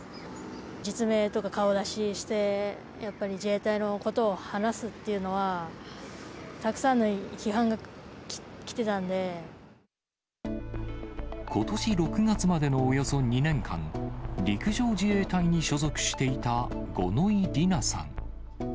実名とか顔出しして、やっぱり自衛隊のことを話すっていうのは、ことし６月までのおよそ２年間、陸上自衛隊に所属していた、五ノ井里奈さん。